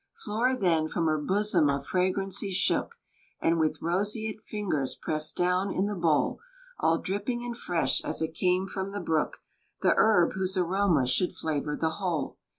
Flora then from her bosom of fragrancy shook, And with roseate fingers pressed down in the bowl, All dripping and fresh as it came from the brook, The herb whose aroma should flavor the whole.